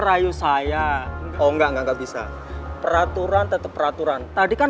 tapi parancot pare layak invalidasthis